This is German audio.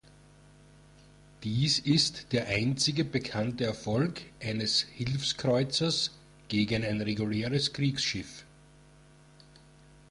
Dies ist der einzige bekannte Erfolg eines Hilfskreuzers gegen ein reguläres Kriegsschiff.